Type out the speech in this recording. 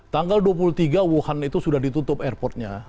tanggal dua puluh tiga wuhan itu sudah ditutup airportnya